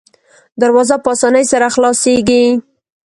دروازه په اسانۍ سره خلاصیږي.